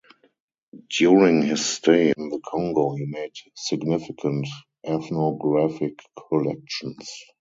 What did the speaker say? During his stay in the Congo he made significant ethnographic collections.